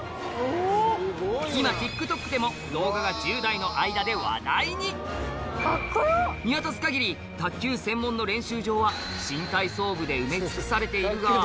今ＴｉｋＴｏｋでも動画が１０代の間で話題に見渡す限りは新体操部で埋め尽くされているが実は。